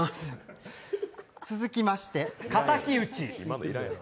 続きまして、敵討ち。